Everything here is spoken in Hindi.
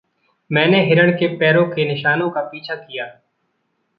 मैंने हिरण के पैरों के निशानों का पीछा किया।